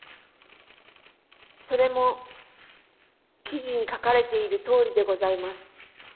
それも記事に書かれているとおりでございます。